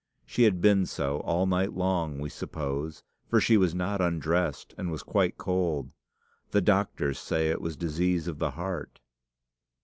She had been so all night long, we suppose, for she was not undressed, and was quite cold. The doctors say it was disease of the heart.